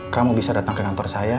kamu bisa datang ke kantor saya